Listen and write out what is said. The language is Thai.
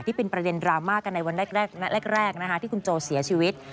ที่เป็นประเด็นดราม่ากันในวันแรกที่คุณโจเสียชีวิต